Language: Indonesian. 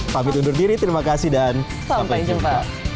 tapi duduk diri terima kasih dan sampai jumpa